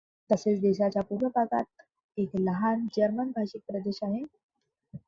तसेच देशाच्या पूर्व भागात एक लहान जर्मन भाषिक प्रदेश आहे.